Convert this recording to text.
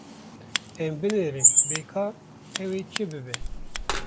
Em binêrin bê ka ew ê çi bibe.